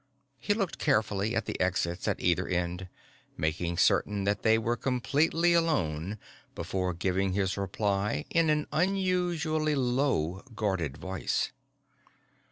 He looked carefully at the exits at either end, making certain that they were completely alone before giving his reply in an unusually low, guarded voice.